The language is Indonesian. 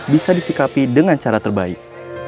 bisa disikapi dengan cara terbaik